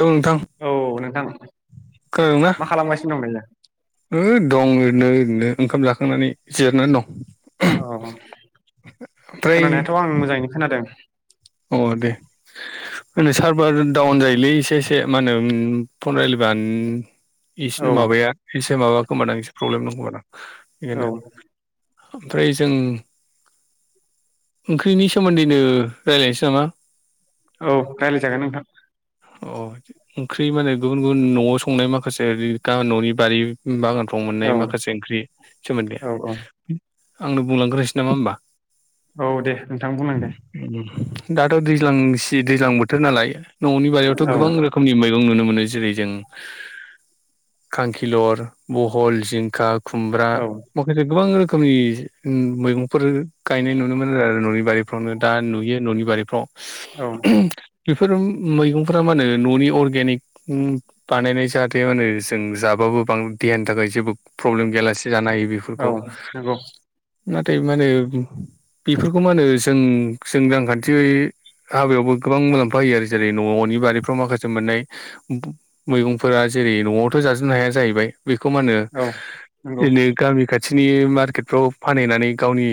औ नोंथां औ नोंथां खोनादोंना मा खालामगासिनो दं नलाय। दं ओरैनो ओरैनो ओंखाम जाखांनानै जिरनानै दं। औ खोनानायाथ' आं मोजाङैनो खोनादों। औ दे। म होनो सारभार दडाउन जायोलै एसे एसे मा होनो फन रायलायबानो औ इसनि माबाया एसे माबाखोम आं एसे प्रब्लेम दं खोमा दां। औ ओमफ्राय जों ओंख्रिनि सोमोन्दैनो रायलायसै नामा? औ रायलायजागोन नोंथां। अ ओंख्रि माने गुबुन गुबुन न'आव संनाय माखासे ओरै गान न'नि बारि बागान फ्राव औ मोननाय माखासे ओंख्रि सोमोन्दै औ औ आंनो बुंलांग्रोनोसै नामा होमबा? औ दे नोंथां बुंलां दे। दाथ' दैज्लांसि दैज्लां बोथोर नालाय न'नि बारियावथ' औ गोबां रोखोमनि मैगं नुनो मो नो जेरै जों खांखिलर, बहल, जिंखा खुमब्रा औ माखासे गोबां रोखोमनि मैगंफोर गायनाय नुनो मोन आरो न'नि बारिफ्राव नो दा नुयो न'नि बारिफ्राव। औ बेफोर मैगं फ्रा मा होनो न'नि अर्गेनिक बानायनाय जाहाथे मा होनो जों जाबाबो बां देहानि थाखाय जेबो प्रब्लेम गैयालासे जानो हायो औ बेफोरखौ। नंगौ नाथाय मा होनो बेफोरखौ मा होनो जों जों रांखान्थियै हाबायावबो गोबां मुलाम्फा होयो आरो जेरै न'नि बारिफ्राव माखासे मोननाय मैगंफोरा जेरै न'आवथ' जाजोबनो हाया जाहैबाय। बेखौ मा औ नंगौ होनो बि गामि खाथिनि मार्केटफ्राव फानहैनानै गावनि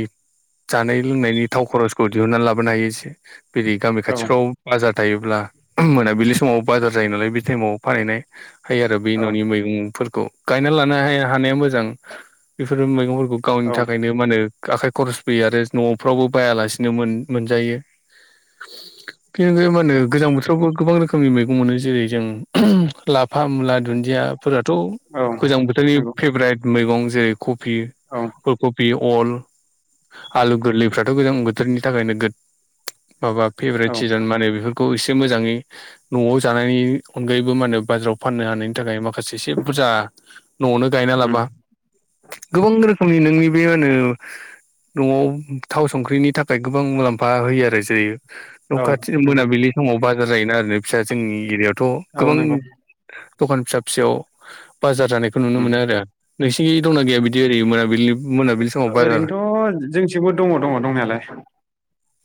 जानाय लोंनायनि थाव खरसखौ दिहुननानै लाबोनो हायो एसे। बि गामि औ खाथिफ्राव बाजार थायोब्ला। मोनाबिलि समाव बाजार जायो नालाय बे टाइमाव फानहनाय हायो आरो बे औ न'नि मैगंफोर खौ गायना लानो हाया हानाया मोजां बेफोर मैगंफोरखौ गावनि औ थाखायनो मानो आखाइ खरस फैयो आरो न'फ्रावबो बायालासिनो मोनजायो। बे मान होन गोजां बो गोबां रोखोमनि मैगं मोनो। जेरै जों लाफा मुला दुन्दिया फोराथ' औ गोजां बोथोरनि नंगौ फेभरेट मैगं जेरै कबि औ फुल कबि अल आलु गोरलैफ्राथ' गोजां बोथोरनि थाखायनो गोद माबा फेभारेट औ सिजोन मान होन बेफोरखौ सि एसे मोजाङै न'आव जानायनि अनगायैबो मा होनो बाजाराव फाननो हानायनि थाखाय माखासे एसे बुरजा न'आवनो गायना उम लाबा गोबां रोखोमनि नोंनि बे मा होनो न'आव थाव संख्रिनि थाखाय गोबां मुलाम्फा होयो आरो जेरै न' औ खाथि नंगौ मोनाबिलि समाव बाजार जायोना आरोना फिसा जोंनि एरियाव थ' औ गोबां नंगौ दखान फिसा फिसायाव बाजार जानायखौ नुनो उम मोनो आरो। नोंसिनिखै दंना गैया बिदि ओरै मोनाबिलि मोनाबिलि समाव बाजार ओरैनोथ' जोंसेबो दङ दङ दंनायालाय।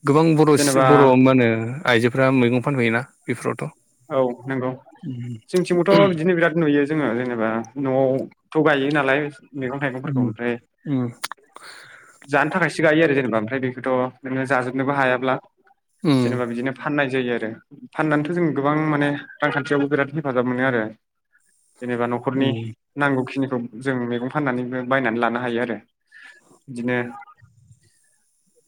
गोबां बर' जेनेबा बर' मा होनो आइजोफोरा मैगं फानफैयोना बेफोरावथ'? औ नंगौ जं जोंथिंबोथ' बिदिनो बिराद नुयो। जोङो जेनेबा न'आवथ' गायो नालाय मैगं थाइगंफोरखौ ओमफ्राय जानो थाखाय सो गायो आरो जेनेबा मफ्राय बेखौथ' नोङो जाजोबनोबो हायाब्ला जेनेबा बिदिनो फाननाय जायो आरो फाननानैथ' जों गोबां माने रांखान्थियावबो बिराद हेफाजाब मोनो आरो। जेनेबा न'खरनि नांगौखिनि खौ जों मैगं फाननानैबो बायनानै लानो हायो आरो बिदिनो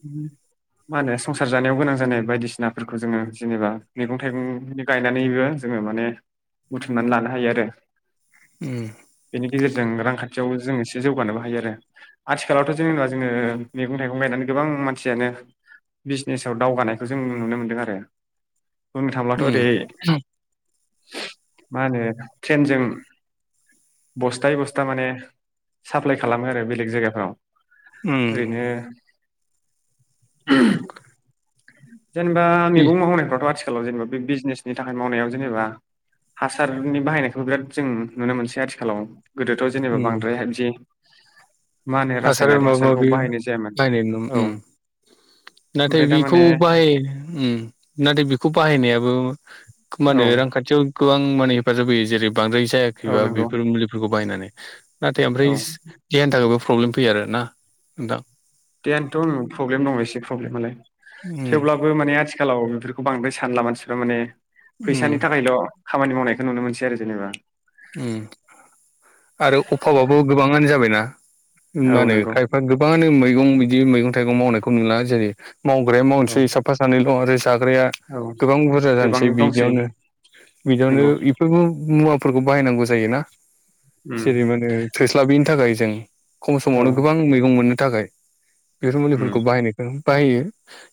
उम मा होनो संसार जानायाव गोनां जानाय बायदिसिनाफोरखौ जोङो जेनेबा मैगं थाइगं गायनानैबो जोङो माने बुथुमनानै लानो हायो आरो। उम बेनि गेजेरजों रांखान्थियाव जों एसे जौगानोबो हायो आरो आथिखालावथ' जेनेबा जोङो मैगं थाइगं गायनानै गो बां मानसियानो बिजनेसाव दावगानायखौ जों नुनो मोन्दों आरो। बुंनो थांब्लाथ' ओरै [unintelligible] मा होनो ट्रेनजों बस्थायायै बस्था माने साप्लााय खालामो आरो बेलेग जायगाफ्राव। ओरैनो जेनेबा बे मैगं मावनायफ्राथ' आथिखालाव जेनेबा बे बिजनेसनि थाखाय मावनायाव जेनेबा हासारनि बाहायनायखौबो बिराद जों नुनो मोनसै आथिखालाव गोदोथ' जेनेबा बांद्राय दि हासार माबा माबि बाहायनाय जायामोन नायनाय औ उ नाथाय ओमफ्राय बिखौ दामाने बाहाय नाथाय बेखौ बाहायनायाबो मा औ होनो रांखान्थियाव गोबां माने हेफाजाब होयो जेरै बांद्राय औ जायाखैबा नंगौ बेफोर मुलिफोरखौ बायनानै नाथाय औ ओमफ्राय सि गियानि थाखायबो प्रब्लेम फैयो आरो ना नोंथां। देहानोथ' आं प्रब्लेम दङ एसे प्रब्लेमालाय उम थेवब्लाबो माने आथिखालाव बेफोरखौ बांद्राय सानला मानसिफ्रा माने उम फैसानि थाखायल' खामानि मावनायखौ नुनो मोनसै आरो जेनेबा। उ। आरो अभाबाबो गोबाङानो जाबायना ओ औ मा होनो नंगौ खायफा गोबाङानो मै मैगं बिदि मैगं थाइगं मावनायखौ नुला जेरै मावग्राया औ मावनोसै साफा सानैल' आरो जाग्राया औ गोबां बुरजा गोबां जानोसै दंसै बिदियावनो बिदियावनो नंगौ बेफोरबो मुवा फोरखौ बाहायनांगौ जायोना उम जेरै माने थोस्लाबिनि थाखाय जों खम औ समावनो गोबां मैगं मोननो थाखाय बेफोर उम मुलिफोरखौ बाहायनायखौ बाहायो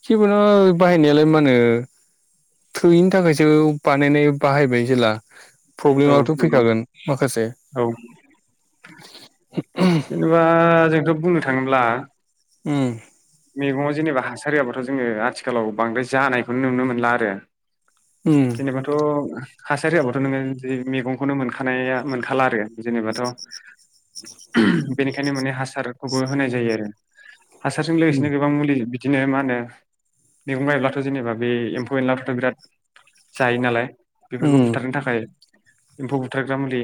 जेबुनु बाहायनायालाय मा होनो थोयैनि थाखायसो बानायनाय बाहायबाय जेला औ प्रब्लेमाथ' नंगौ फैखागोन माखासे औ जेनेबा जोंथ' बुंनो थाङोब्ला उ। मैगङाव जेनेबा हासार होआबाथ' जोङो आथिखालाव बांद्राय जानायखौनो नुनो मोनला आरो उम जेनेबाथ' हासारि हाबाथ' नोङो जि मैगंखौनो मोनखानाया मोनखाला आरो जेनेबाथ' बेनिखायनो माने हासारखौबो होनाय जायो आरो हासार बिदिनो गोबां मुलि बिदिनो मा होनो मैगं गायब्लाथ' जेनेबा बे एम्फौ एनलाफ्राथ' बिराद जायो नालाय बेफोरखौ उम बुथारनो थाखाय एम्फौ बुथारग्रा मुलि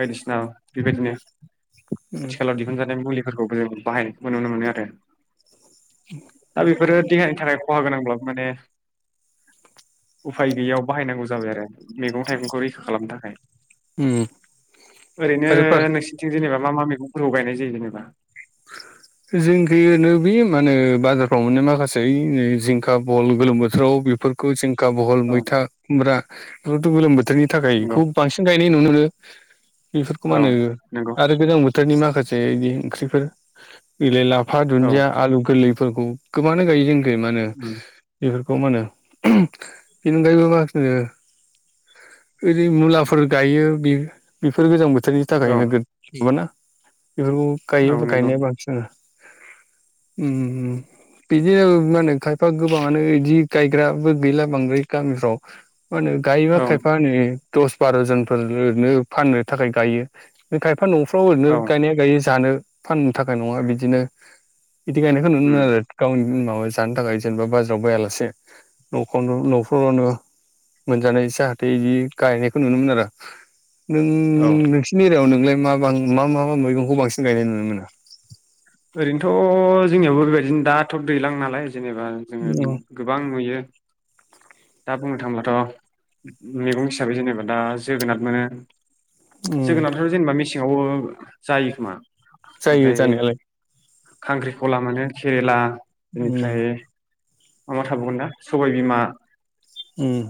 बायदिसिना बेबायदिनो । आथिखालाव दिहुनजानाय मुलिफोरखौबो जों बाहाय नुनो मोनो आरो दा बेफोरो देहानि थाखाय खहा गोनांब्लाबो माने उफाय गैयियाव बाहायनांगौ जाबाय आरो मैगं थाइगंखौ रैखा खालामनो थाखाय उम । ओरैनो आरो फार नोंसोरथि जेनेबा मा मा मैगंफोरखौ गायनाय जायो जेनेबा । [unintelligible] जिंखि नो बे मानो बाजारफ्राव मोनो माखासे जिंखा भल गोलोम बोथोराव बेफोरखौ जों खा, बहल, औ मैथा, खुमब्रा बेफोरखौथ' गोलोम बोथोरनि थाखाय नंगौ बेखौ बांसिन गायनाय नुनो मोनो। बेफोरखौ मा औ होनो नंगौ आरो गोजां बोथोरनि माखासे बिदि ओंख्रिफोर गै लाइ, ला फा, औ दुन्दिया, आलु गोरलैफोरखौ गोबानो गायो जोंनिखि मा होनो उम बेफोर खौ मा होनो। बेनि अनगायैबो [inaudible] ओरै मुलाफोर गायो बेफोर गोजां बोथोरनि थाखाय औ नोगद नङा ना? बेफोरखौ गायो औ नंगौ गायनाय बांसिनानो। ओम बिदिनो मा होनो खायफा गोबाङानो बिदि गायग्राबो गैला बांद्राय गामिफ्राव। मा होनो गायोबा औ खायफा नो दस बार' जनफोरनो फाननो थाखाय गायो। खाय फा न'फ्राव ओरैनो औ गायनाया गायै जानो फाननो थाखाय नङा बिदिनो। बिदिखायनायखौ नुनो उम आरो गावनि जानो थाखाय जेनेबा बाजाराव बायालासे न'खरनो न'फोरावनो मोनजानाय जाहाथे इदि गायनायखौ नुनोमोन आरो। नों औ नोंसिनि एरियायाव नोंलाय म मा मा मा मैगंखौ बांसिन गायनाय नुनो मोनो? ओरैनोथ' जोंनियावबो बेबायदिनो दाथ' दैलां नालाय। जेनेबा जोङो मोनो? गोबां नुयो। दा बुंनो थाङोब्लाथ' मैगं हिसाबै जेनेबा दा जोगोनार मोनो। उम उम जोगोनारफथ' जेनेबा मेसेङाव जायो खोमा। जायो ओमफ्राय जानायालाय। खांख्रिखला मोनो केरेला उम बेनिफ्राय माबा थाबावगोन ना सबाय बिमा। ओम।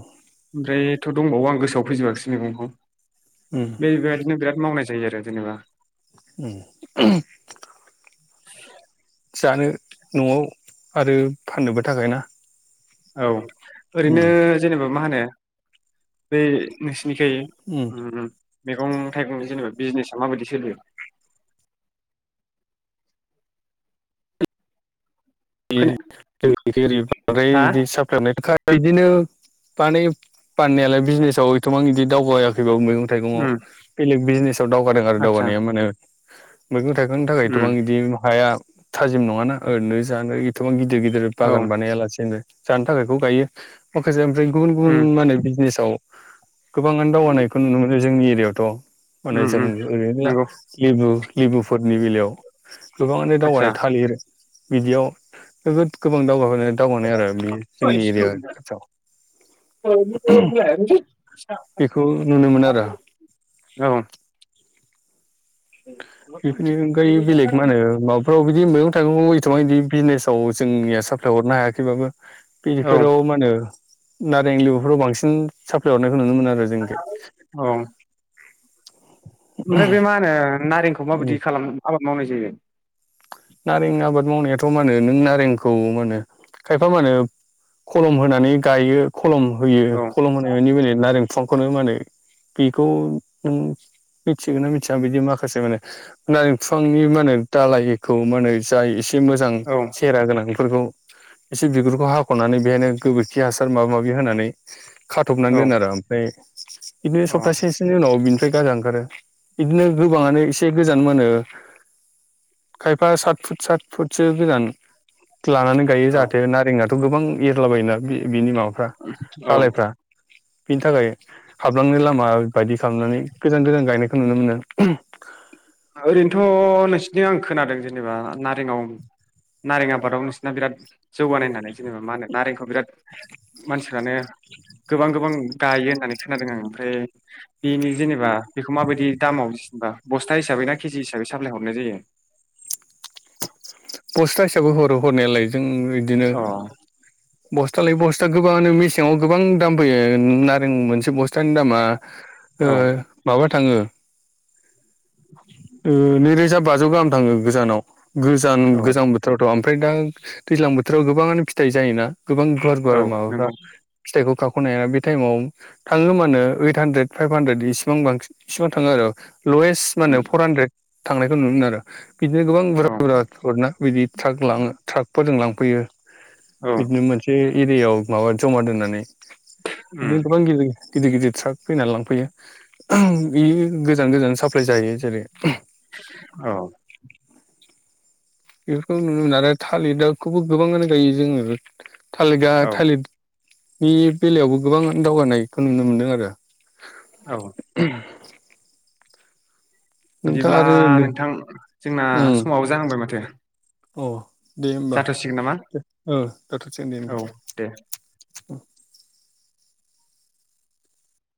ओमफ्रायथ' दंबावो आं गोसोआव फैजोबआाखिसै मैगंखौ उम बेबायदिनो बिराद मावनाय जायो आरो जेनेबा। उम। [unintelligible] जानो न'आव आरो फाननोबो थाखाय ना? औ उम ओरैनो जेनेबा मा होनो बै नोंसि निखै उम मैगं थाइगंनि जेनेबा बिजनेसा माबायदि सोलियो? [inaudible] खोना जोंनिथिं ओरै बांद्राय हा इदि [inaudible] इदिनो बानायो फाननायालाय बिजनेसाव एथबां बिदि दावगायाखैबाबो मैगं उम थाइगंआव बेलेग बिजनेसाव दावगादों आरो आदसा दावगानाया माने मैगं थाइगंनि थाखाय एथ'बां उम बिदि हाया थाजिम नङाना ओरैनो जानो एथबां गिदि गिदिर गिदिर औ बागान बानाया लासेनोनो जानो थाखायखौ गायो माखासे रै गुबुन उम गुबुन माने‌ बिजनेसाव गोबाङानो दावगानायखौ नुनो मोनो जोंनि एरिायावथ' माने उम जों उम ओरैनो नंगौ लेबु लेबुफोरनि बेलायाव गोबाङानो आदसा दावबायानाय थालिर बिदियाव नोगोद गोबां दावगाखानाय दावगानाय आरो बे जोंनि एरिया खाथियाव। बेखौ [unintelligible] नुनो मोनो आरो औ। [inaudible] बेफोरनि औ अनगायै बेलेग मा होनो माबाफ्राव बिदि मैगं थाइगं एसेबां बिदि बिजनेसाव जोंनि साल्फाय हरनो हाया खैबाबो औ बेफोराव मा होनो नारें लिबुफोराव बांसिन साप्लाइहरनाय खो नुनो मोनो आरो जोंनिखि। ओमफ्राय बे मा होनो नारेंखौ माबायदि खालामना आबाद मावनाय जायो? नारें आबाद मावनायाथ' मा होनो नों नारेंखौ मा होनो खायफा मा होनो खलम होनानै गायो खलम होयो औ खलम होनाय मानि माने नारें बिफांखौनो माहोनो बेखौ नों मिथिगोन ना मिथिया बिदि माखासे माने नारें बिफांनि माहोनो दालाय खौ माहोनो जा एसे मोजां औ सेहरा गोनां फोरखौ एसे बिगुरखौ हाख'नानै बेहायनो गोबोरखि हासार माबा माबि होनानै खाथ'बनानै औ दोनो आरो ओमफ्राय बिदिनो औ सप्तासेसोनि उनाव बिनि गाजा ओंखारो बिदिनो गोबाङानो एसे गोजान मानो खायफा सात फुट सात फुटसो गोजान लानानै गायो औ जाहाथे नारेंआ गोबां एरलाबायोना बि -बिनि माबाफ्रा औ दालायफ्रा बिनि थाखाय थाब बिफांनि लामा बायदि खालामनानै गोजान -गोजान गायनायखौ नुनो मोनो उम ओरैनोथ' नोंसिनि आं खोनादों जेनेबा नारेंङाव नारें आबादाव नोंसिना बिराद जौगानाय होननानै जेनेबा मा होनो नारेंखौ बिराद मानसिफ्रानो गोबां -गोबां गायो होननानै खोनादों आं ओमफ्राय बेनि जेनेबा बेखौ माबायदि दामाव बा बस्था हिसाबै ना केजि हिसाबै साप्लाय हरनाय जायो पस्था हिसाबै हरो हरनायालाय जों इदिनो अ बस्थालाय बस्था गोबाङानो मेसेंआव गोबां दाम फैयो नारें मोनसे बस्था थानि दामा ओ औ माबा थाङो ओ नैरोजा बाजौ गाहाम थाङो गोजानाव गोजान औ गोजां बोथोरावथ' आं ओमफ्राय दा दैज्लां बोथोराव गोबाङानो फिथाइ जायोना गोबां गुवार औ -गुवार माबाफ्रा नंगौ फिथाइखौ खाम खनाया बे टाइमाव थाङो मानो ओइथ हानद्रेद फाइभ हानद्रेद इसेबां बांसिन इसिबां थाङो आरो लवेस्ट मा होनो उम फर हान्ड्रेद थांनायखौ नुनो आरो बिदिनो गोबां बुरजा औ -बुरजा फोरना बिदि ट्राक लाङो ट्राकफोरजों लांफैयो औ बिदिनो मोनसे एरियायाव माबा जमा दोननानै उम बिदिनो गोबां गिलिर गिदिर गिदिर ट्राक फैनानै लांफैयो उम बेयो गोजान गोजान साप्लाय जाहायो जेरै औ बेफोरखौ नुनो मोनो आरो थालिदाखौबो गोबाङानो गायो जोङो थालिगा थालिद नि बेलायावबो गोबां दावगानायखौ नुनो मोनदों आरो औ नोंथाङा बिदिब्ला आरो नै नोंथां जोंना उम समाबो जाहांबाय माथो अ दे होमबा जाथ'सिगोन नामा ओ दाथ'सै दे होमबा औ दे